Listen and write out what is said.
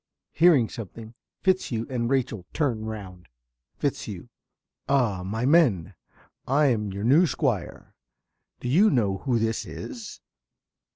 (Hearing something, Fitzhugh and Rachel turn round.) ~Fitzhugh.~ Ah, my men! I'm your new Squire. Do you know who this is?